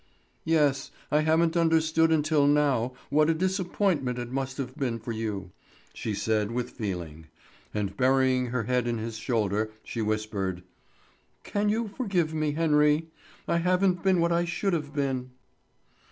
"Yes, I haven't understood until now, what a disappointment it must have been for you," she said with feeling; and burying her head in his shoulder she whispered: "Can you forgive me, Henry? I haven't been what I should have been."